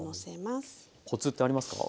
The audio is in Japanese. コツってありますか？